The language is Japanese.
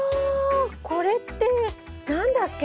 これって何だっけな？